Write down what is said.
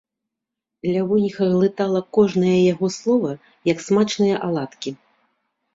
Лявоніха глытала кожнае яго слова, як смачныя аладкі.